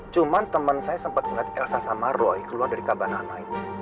cuman temen saya sempet ngeliat elsa sama roy keluar dari kabar nanain